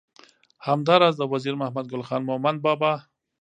همدا راز د وزیر محمد ګل خان مومند بابا